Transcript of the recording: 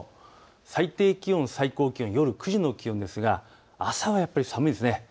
最低気温、最高気温、夜９時の気温ですが朝はやっぱり寒いですね。